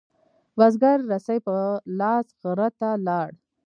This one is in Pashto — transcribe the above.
بزگر رسۍ په لاس غره ته لاړ.